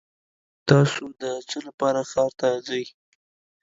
تاسو د څه لپاره ښار ته ځئ؟